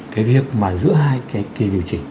cái việc mà giữa hai cái kỳ điều chỉnh